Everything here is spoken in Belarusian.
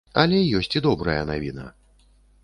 Але ёсць і добрая навіна.